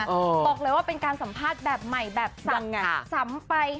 บอกเลยว่าเป็นการสัมภาษณ์แบบใหม่แบบสั่งซ้ำไป